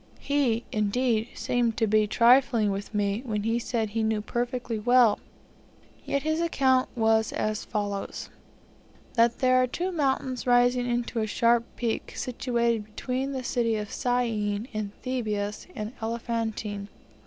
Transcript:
He, indeed, seemed to be trifling with me when he said he knew perfectly well; yet his account was as follows: "That there are two mountains, rising into a sharp peak, situated between the city of Syene, in Thebais, and Elephantine.